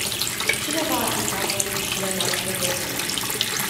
Cine va aplica politicile noastre comune?